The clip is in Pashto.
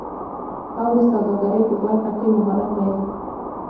او د سوداګرۍ په برخه کې مهارت لري